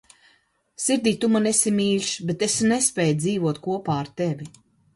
Sirdī Tu man esi mīļš, bet es nespēju dzīvot kopā ar Tevi